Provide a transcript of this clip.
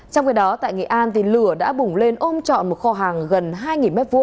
trong khi đó tại nghị an lửa đã bùng lên ôm trọn một kho hàng gần hai m hai